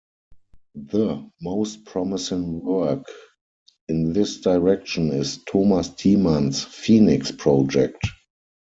The most promising work in this direction is Thomas Thiemann's Phoenix Project.